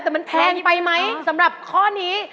แต่มันแพงไปไหมสำหรับข้อนี้